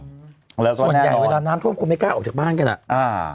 อื้มส่วนใหญ่เวลาน้ำทรัพย์ความไม่กล้าออกจากบ้างก็จะน่ะ